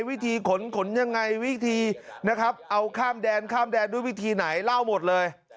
วิธีขนขนยังไงวิธีนะครับเอาข้ามแดนข้ามแดนด้วยวิธีไหนเล่าหมดเลย